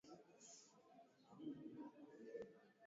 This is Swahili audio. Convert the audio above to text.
inakitita cha akiba ya fedha za kigeni